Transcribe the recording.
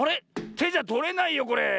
てじゃとれないよこれ。